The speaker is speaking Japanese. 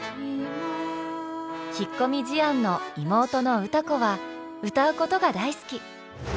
引っ込み思案の妹の歌子は歌うことが大好き。